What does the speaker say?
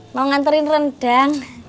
mau nganterin rendang